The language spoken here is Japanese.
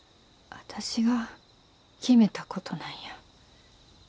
私が決めたことなんや。